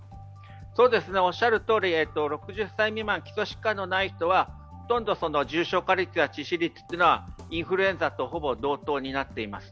６０歳未満、基礎疾患のない人はほとんど重症化や致死率はインフルエンザとほぼ同等になっています。